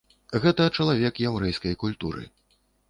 Гэта чалавек яўрэйскай культуры.